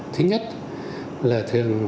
thứ nhất là thường